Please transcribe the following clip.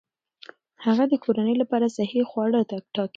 هغه د کورنۍ لپاره صحي خواړه ټاکي.